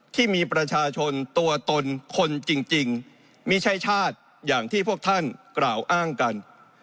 ที่มีประชาชนตัวตนคนจริงไม่ใช่ชาติอย่างที่พวกท่านกล่าวอ้างกัน